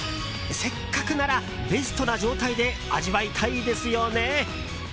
せっかくならベストな状態で味わいたいですよね。